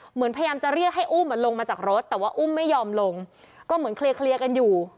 เหมือนพยายามจะเรียกให้อุ้มลงมาจากรถแต่ว่าอุ้มไม่ยอมลงก็เหมือนเคลียร์กันอยู่